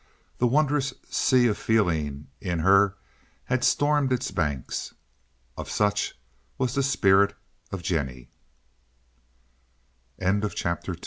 The wondrous sea of feeling in her had stormed its banks. Of such was the spirit of Jennie. CHAPTER III The juni